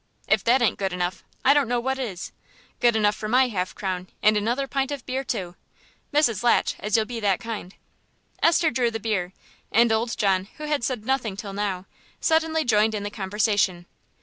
If that ain't good enough, I don't know what is; good enough for my half crown and another pint of beer too, Mrs. Latch, as you'll be that kind." Esther drew the beer, and Old John, who had said nothing till now, suddenly joined in the conversation.